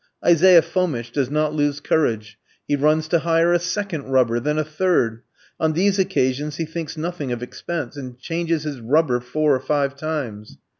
Isaiah Fomitch does not lose courage, he runs to hire a second rubber, then a third; on these occasions he thinks nothing of expense, and changes his rubber four or five times.